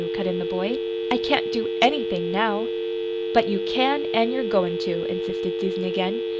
cut in the boy. "I can't do anything, now." "But you can, an' you're goin' to," insisted Susan again.